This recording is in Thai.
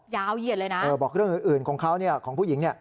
เหยียดเลยนะบอกเรื่องอื่นของเขาเนี่ยของผู้หญิงเนี่ย